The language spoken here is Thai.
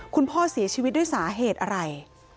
คุณพ่อเสียชีวิตด้วยสาเหตุอะไร